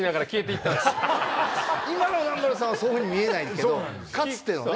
今の南原さんはそういうふうに見えないんだけどかつてのね。